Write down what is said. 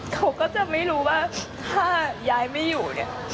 เขาก็จะไม่รู้ว่าถ้ายายไม่อยู่เนี่ย